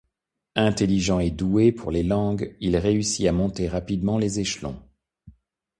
Intelligent et doué pour les langues, il réussit à monter rapidement les échelons.